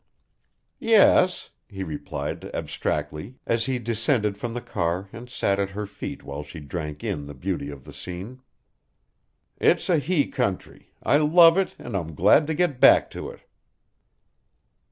"Yes," he replied abstractedly as he descended from the car and sat at her feet while she drank in the beauty of the scene, "it's a he country; I love it, and I'm glad to get back to it."